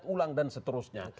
menghujat ulang dan seterusnya